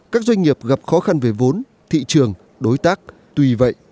các doanh nghiệp gặp khó khăn về vốn thị trường đối tác tùy vậy